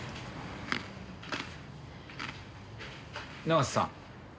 長瀬さん。